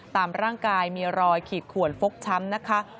ตามร่างกายมีรอยขีดขวนฟกช้ำนะคะ